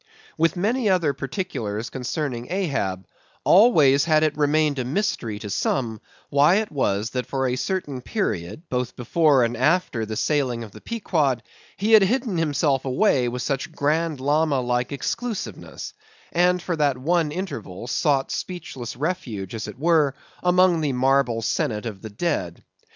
With many other particulars concerning Ahab, always had it remained a mystery to some, why it was, that for a certain period, both before and after the sailing of the Pequod, he had hidden himself away with such Grand Lama like exclusiveness; and, for that one interval, sought speechless refuge, as it were, among the marble senate of the dead.